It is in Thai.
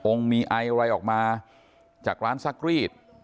มีไออะไรออกมาจากร้านซักรีด